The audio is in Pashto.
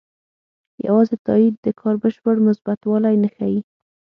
یوازې تایید د کار بشپړ مثبتوالی نه ښيي.